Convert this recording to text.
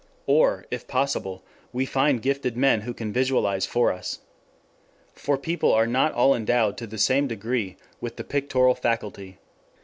Or, if possible, we find gifted men who can visualize for us. For people are not all endowed to the same degree with the pictorial faculty.